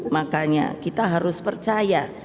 makanya kita harus percaya